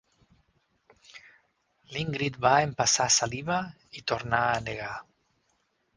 L'Ingrid va empassar saliva i tornà a negar.